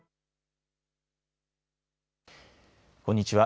こんにちは。